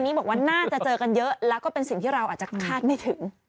นี้บอกว่าน่าจะเจอกันเยอะแล้วก็เป็นสิ่งที่เราอาจจะคาดไม่ถึง